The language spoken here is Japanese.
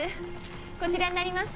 こちらになります。